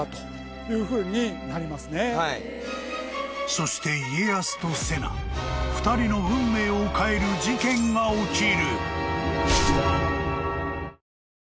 ［そして家康と瀬名２人の運命を変える事件が起きる］